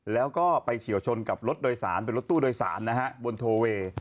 แล้วก็ไปเฉียวชนกับรถโดยสารเป็นรถตู้โดยสารนะฮะบนโทเวย์